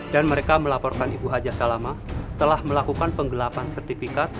dan mereka melaporkan ibu hajah salamah telah melakukan penggelapan sertifikat